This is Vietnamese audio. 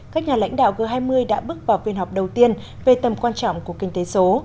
các nhà lãnh đạo g hai mươi đã bước vào phiên họp đầu tiên về tầm quan trọng của kinh tế số